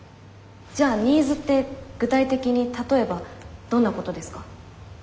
じゃあニーズって具体的に例えばどんなことですか？